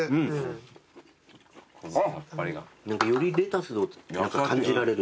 何かよりレタスを感じられるね。